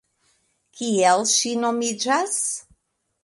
Kiel ŝi nomiĝas?